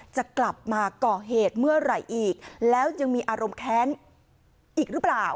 จะกลับมาก่อเหตุเมื่อไหร่อีกแล้วยังมีอารมณ์แค้นอีกหรือเปล่า